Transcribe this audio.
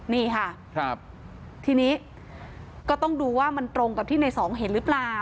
นี่ค่ะครับทีนี้ก็ต้องดูว่ามันตรงกับที่ในสองเห็นหรือเปล่า